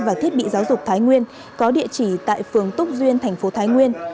và thiết bị giáo dục thái nguyên có địa chỉ tại phường túc duyên tp thái nguyên